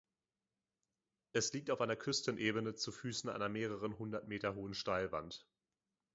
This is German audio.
Es liegt auf einer Küstenebene zu Füßen einer mehrere hundert Meter hohen Steilwand.